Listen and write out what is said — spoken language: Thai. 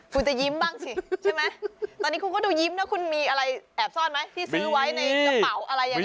คุณจะยิ้มบ้างสิใช่ไหมตอนนี้คุณก็ดูยิ้มนะคุณมีอะไรแอบซ่อนไหมที่ซื้อไว้ในกระเป๋าอะไรอย่างนี้